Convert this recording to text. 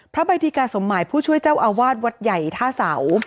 ใบทิกาสมหมายผู้ช่วยเจ้าอาวาสวัดใหญ่ท่าเสา